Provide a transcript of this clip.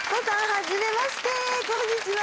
初めましてこんにちは